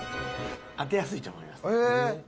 当てやすいと思います。